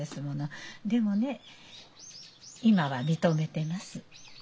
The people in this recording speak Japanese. でもね今は認めてます。